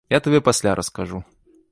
Я табе пасля раскажу.